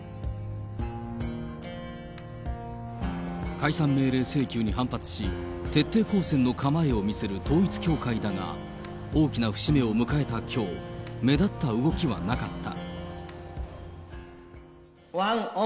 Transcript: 解散命令請求に反発し、徹底抗戦の構えを見せる統一教会だが、大きな節目を迎えたきょう、目立った動きはなかった。